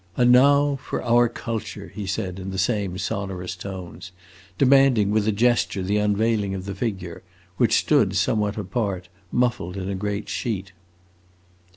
"And now for our Culture!" he said in the same sonorous tones, demanding with a gesture the unveiling of the figure, which stood somewhat apart, muffled in a great sheet.